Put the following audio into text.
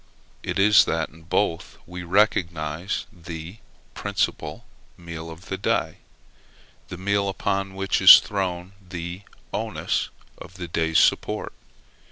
It is that in both we recognize the principal meal of the day, the meal upon which is thrown the onus of the day's support.